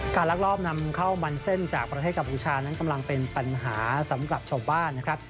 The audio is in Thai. ลักลอบนำเข้ามันเส้นจากประเทศกัมพูชานั้นกำลังเป็นปัญหาสำหรับชาวบ้านนะครับ